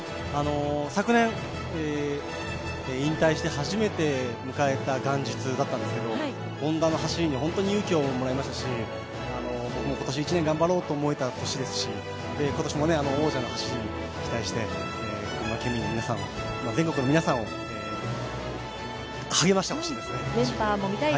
昨年、引退して初めて迎えた元日だったんですけどＨｏｎｄａの走りに本当に勇気をもらいましたし僕も今年１年頑張ろうと思えた年でしたし、今年も王者の走りに期待して、群馬県民の皆さんを全国の皆さんを励ましてほしいですね。